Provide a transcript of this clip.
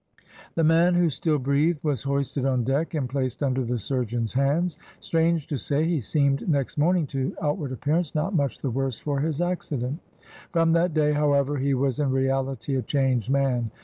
The man, who still breathed, was hoisted on deck, and placed under the surgeon's hands. Strange to say, he seemed next morning to outward appearance not much the worse for his accident. From that day, however, he was in reality a changed man.